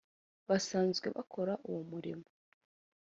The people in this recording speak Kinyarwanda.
basanzwe bakora uwo murimo